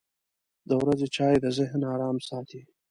• د ورځې چای د ذهن ارام ساتي.